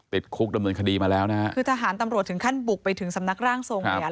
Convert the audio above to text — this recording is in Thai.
ติดคุกดำเนินคดีมาแล้วนะฮะคือทหารตำรวจถึงขั้นบุกไปถึงสำนักร่างทรงเนี่ย